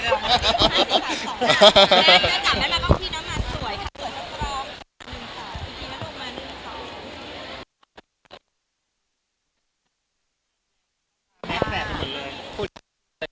อินเสิร์ตหน้าเยอะเพราะว่าเขาร้องห้า